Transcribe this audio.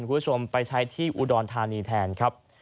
คุณผู้ชมไปใช้ที่อุดรธานีแทนครับ